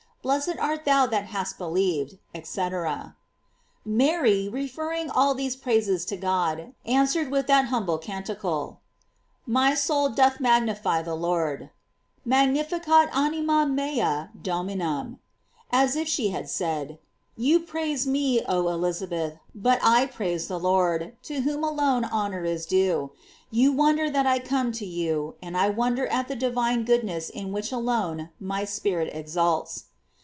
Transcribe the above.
. .Blessed art thou that hast believ ed, &c.,"* Mary, referring all these praises to God, answered with that humble Canticle: My soul doth magnify the Lord: "Magnificat anima mea Dorainum," as if she had said: You praise me, oh Elizabeth, but I praise the Lord, to whom alone honor is due; you wonder that I come to you, and I wonder at the divine goodness in. which alone my spirit exults.